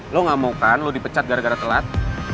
lo gak mau kan lo dipecat gara gara telat